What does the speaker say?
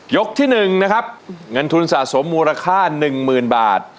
ยกที่หนึ่งนะครับเงินทุนสะสมมูลค่าหนึ่งหมื่นบาท